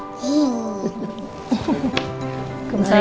kembali ke misalnya